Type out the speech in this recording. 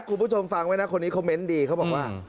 คุณผู้ชมฟังไว้นะคนนี้คอมเมนต์ดีเขาบอกว่า